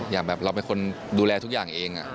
อย่างแบบเราเป็นคนดูแลทุกอย่างเอง